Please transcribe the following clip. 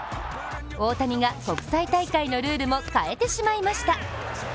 大谷が国際大会のルールも変えてしまいました。